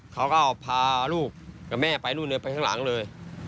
เขาก็พาลูกกับแม่ไปนู่นเลยไปข้างหลังเลย